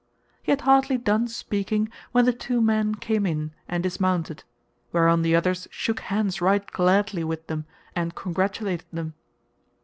He had hardly done speaking when the two men came in and dismounted, whereon the others shook hands right gladly with them and congratulated them.